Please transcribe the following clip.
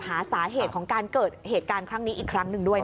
หาสาเหตุของการเกิดเหตุการณ์ครั้งนี้อีกครั้งหนึ่งด้วย